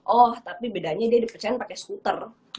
oh tapi bedanya dia dipecahkan pakai skuter